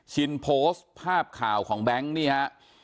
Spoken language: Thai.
นโพสต์ภาพข่าวของแบงค์นี่ฮะ